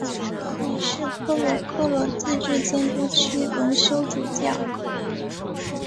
也是科罗科罗自治监督区荣休主教。